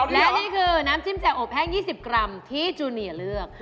และนี่คือน้ำจิ้มแจกอบแห้ง๒๐กรัมที่จูเนียเลือก